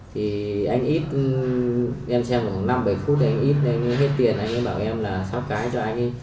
thì anh ít em xem khoảng năm bảy phút anh ít anh hết tiền anh ấy bảo em là sóc cái cho anh ấy